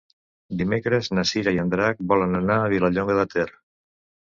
Dimecres na Cira i en Drac volen anar a Vilallonga de Ter.